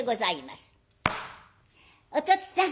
「おとっつぁん